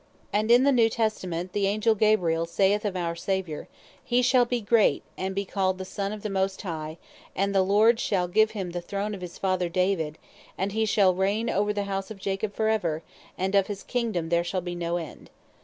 And in the New testament, the Angel Gabriel saith of our Saviour (Luke 1.32,33) "He shall be great, and be called the Son of the Most High, and the Lord shall give him the throne of his Father David; and he shall reign over the house of Jacob for ever; and of his Kingdome there shall be no end."